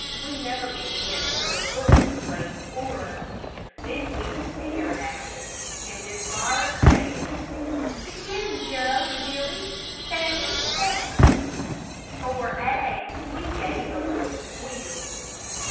We never began till a book was laid before us. Then we stared at it, and Miss Laura said, "Begin, Joe and Billy say A." For A, we gave a little squeal.